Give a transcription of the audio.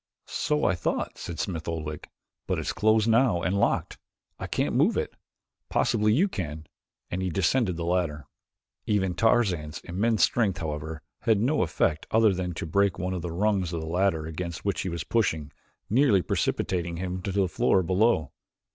"So I thought," said Smith Oldwick, "but it's closed now and locked. I cannot move it. Possibly you can," and he descended the ladder. Even Tarzan's immense strength, however, had no effect other than to break one of the rungs of the ladder against which he was pushing, nearly precipitating him to the floor below.